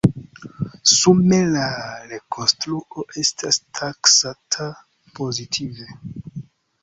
Sume la rekonstruo estas taksata pozitive.